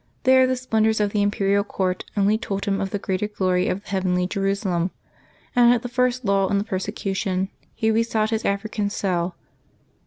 There the splendors of the imperial court only told him of the greater glory of the heavenly Jerusalem, and at the first lull in the persecution he resought his African cell.